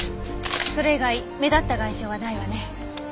それ以外目立った外傷はないわね。